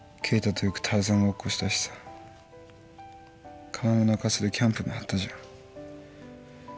よくターザンごっこしたしさ川の中州でキャンプも張ったじゃん。